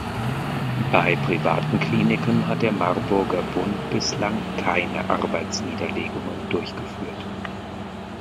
Bei privaten Kliniken hat der Marburger Bund bislang keine Arbeitsniederlegungen durchgeführt.